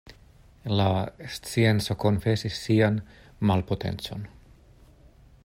La scienco konfesis sian malpotencon.